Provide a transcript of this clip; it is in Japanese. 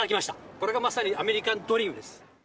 これがまさに、アメリカンドリームです。